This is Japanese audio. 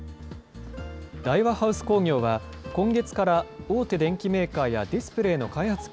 大和ハウス工業は今月から、大手電機メーカーやディスプレーの開発